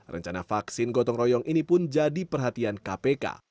rencana vaksin gotong royong ini pun jadi perhatian kpk